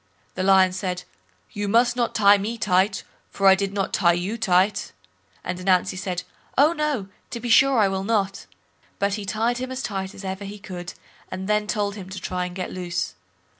The Lion said, "You must not tie me tight, for I did not tie you tight." And Ananzi said, "Oh! no, to be sure I will not." But he tied him as tight as ever he could, and then told him to try and get loose.